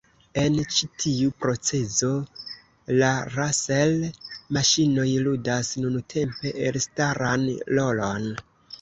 En ĉi tiu procezo la raŝel-maŝinoj ludas nuntempe elstaran rolon.